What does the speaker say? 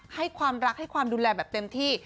ให้ความรักให้ความดูแลแบบเต็มที่